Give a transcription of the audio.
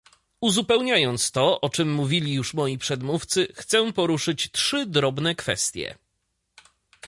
Uzupełniając to, o czym mówili już moi przedmówcy, chcę poruszyć trzy drobne kwestie